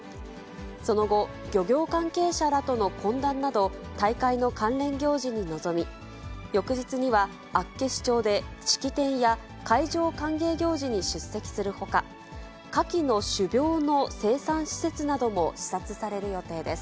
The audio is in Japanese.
その後、漁業関係者らとの懇談など、大会の関連行事に臨み、翌日には、厚岸町で式典や海上歓迎行事に出席するほか、カキの種苗の生産施設なども視察される予定です。